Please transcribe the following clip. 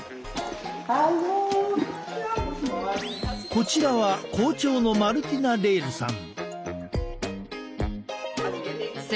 こちらは校長のマルティナ・レールさん。